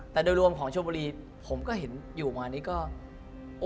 แต่โดยรวมของชมบุรีผมก็เห็นอยู่มานี้ก็